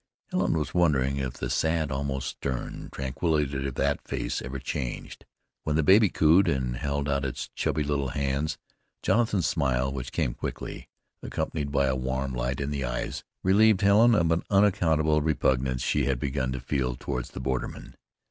Helen was wondering if the sad, almost stern, tranquility of that face ever changed, when the baby cooed and held out its chubby little hands. Jonathan's smile, which came quickly, accompanied by a warm light in the eyes, relieved Helen of an unaccountable repugnance she had begun to feel toward the borderman.